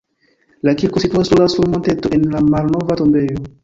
La kirko situas sola sur monteto en la malnova tombejo.